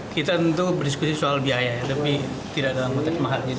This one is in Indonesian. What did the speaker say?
kita tentu berdiskusi soal biaya tapi tidak ada yang mengatakan mahar